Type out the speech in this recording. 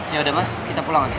ya udah mah kita pulang aja